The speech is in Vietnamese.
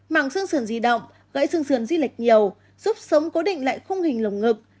mảng sừng sườn di động gãy sừng sườn di lệch nhiều giúp sống cố định lại khung hình lồng ngực